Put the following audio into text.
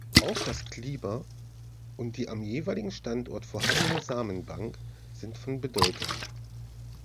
Auch das Klima und die am jeweiligen Standort vorhandene "Samenbank" sind von Bedeutung.